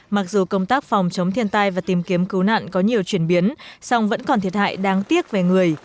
mặc dù công tác phòng chống thiên tai và tìm kiếm cứu nạn có nhiều chuyển biến song vẫn còn thiệt hại đáng tiếc về người